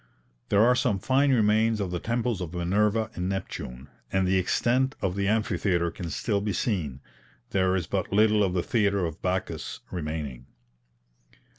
There are some fine remains of the temples of Minerva and Neptune, and the extent of the amphitheatre can still be seen; there is but little of the theatre of Bacchus remaining.